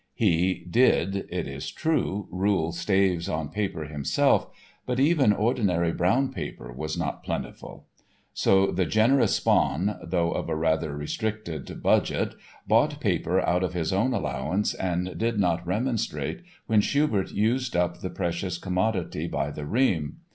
He did, it is true, rule staves on paper himself but even ordinary brown paper was not plentiful. So the generous Spaun, though of a rather restricted budget, bought paper out of his own allowance and did not remonstrate when Schubert used up the precious commodity "by the ream."